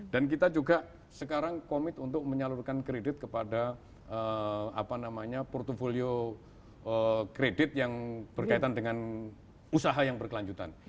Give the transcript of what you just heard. dan kita juga sekarang komit untuk menyalurkan kredit kepada apa namanya portfolio kredit yang berkaitan dengan usaha yang berkelanjutan